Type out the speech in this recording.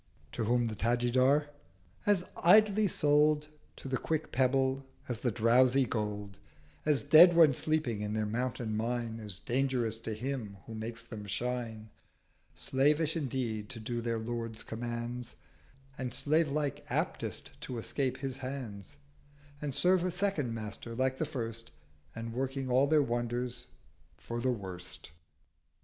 To whom the Tajidar—'As idly sold To the quick Pebble as the drowsy Gold, As dead when sleeping in their mountain mine As dangerous to Him who makes them shine: Slavish indeed to do their Lord's Commands, And slave like aptest to escape his Hands, And serve a second Master like the first, And working all their wonders for the worst.'